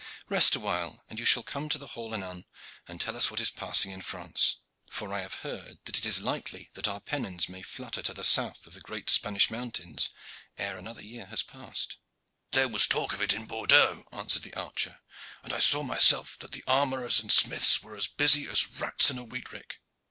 Rest awhile, and you shall come to the hall anon and tell us what is passing in France, for I have heard that it is likely that our pennons may flutter to the south of the great Spanish mountains ere another year be passed." "There was talk of it in Bordeaux," answered the archer, "and I saw myself that the armorers and smiths were as busy as rats in a wheat rick.